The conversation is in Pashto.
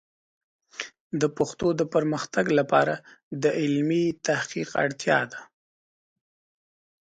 د پښتو د پرمختګ لپاره د علمي تحقیق اړتیا ده.